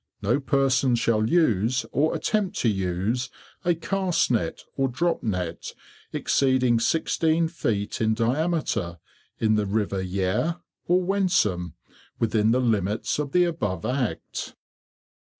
No person shall use, or attempt to use, a Cast Net or Drop Net exceeding 16 feet in diameter, in the River Yare or Wensum, within the limits of the above Act.